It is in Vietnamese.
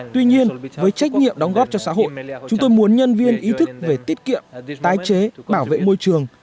tuy nhiên với trách nhiệm đóng góp cho xã hội chúng tôi muốn nhân viên ý thức về tiết kiệm tái chế bảo vệ môi trường